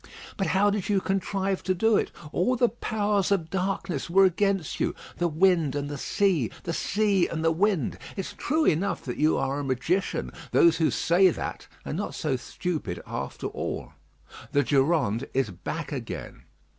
But how did you contrive to do it? All the powers of darkness were against you the wind and the sea the sea and the wind. It's true enough that you are a magician. Those who say that are not so stupid after all. The Durande is back again.